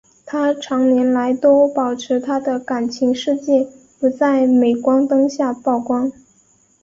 她长年来都保持她的感情世界不在镁光灯下曝光。